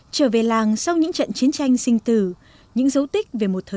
trở về làng sau những trận chiến tranh sinh tử